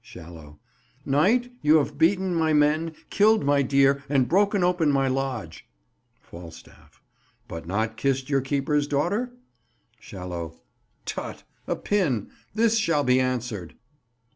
Shallow. Knight, you have beaten my men, killed my deer, and broke open my lodge. Falstaff. But not kissed your keeper's daughter? Shallow. Tut, a pin! this shall be answered.